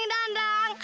ya dandangnya penyok